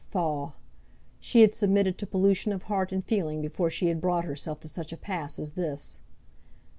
Faugh! She had submitted to pollution of heart and feeling before she had brought herself to such a pass as this.